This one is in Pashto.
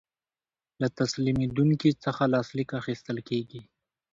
له تسلیمیدونکي څخه لاسلیک اخیستل کیږي.